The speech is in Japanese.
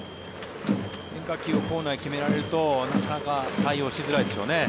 変化球をコーナーに決められると対応しづらいでしょうね。